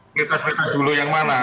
prioritas prioritas dulu yang mana